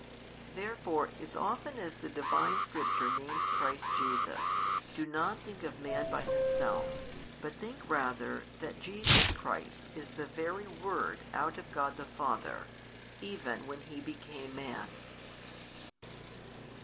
Therefore as often as the Divine Scripture names Christ Jesus, do not think of man by himself, but think rather that Jesus Christ is the Very Word out of God the Father, even 16 when He became Man.